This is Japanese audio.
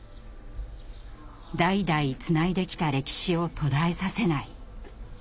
代々つないできた歴史を途絶えさせない。